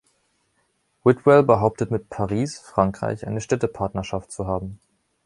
Whitwell behauptet mit Paris, Frankreich, eine Städtepartnerschaft zu haben.